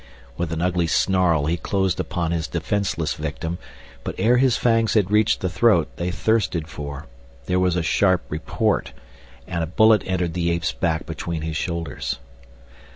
With an ugly snarl he closed upon his defenseless victim, but ere his fangs had reached the throat they thirsted for, there was a sharp report and a bullet entered the ape's back between his shoulders.